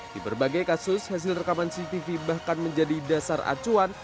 di berbagai kasus hasil rekaman cctv bahkan menjadi dasar acuan